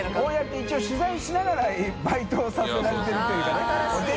海Δ笋辰一応取材しながら丱ぅ箸させられてるというかね。